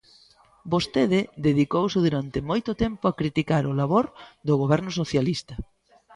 Vostede dedicouse durante moito tempo a criticar o labor do Goberno socialista.